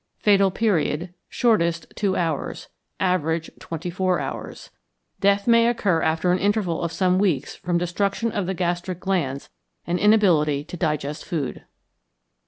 Fatal Period. Shortest, two hours; average, twenty four hours. Death may occur after an interval of some weeks from destruction of the gastric glands and inability to digest food.